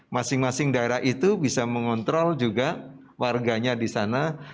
masing masing daerah itu bisa mengontrol juga warganya di sana